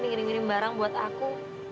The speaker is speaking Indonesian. dikirim kirim barang buat aku